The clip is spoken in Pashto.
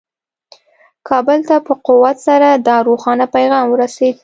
کابل ته په قوت سره دا روښانه پیغام ورسېد.